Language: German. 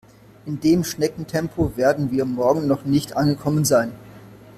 In dem Schneckentempo werden wir morgen noch nicht angekommen sein.